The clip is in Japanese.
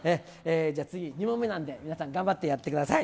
じゃあ次、２問目なんで、皆さん頑張ってやってください。